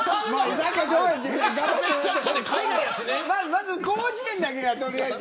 まず甲子園だけが取りあえず。